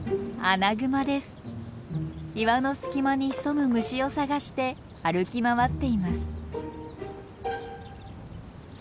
岩の隙間に潜む虫を探して歩き回っています。